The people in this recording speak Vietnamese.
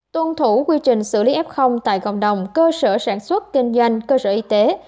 tuân thủ quy trình xử lý f tại cộng đồng cơ sở sản xuất kinh doanh cơ sở y tế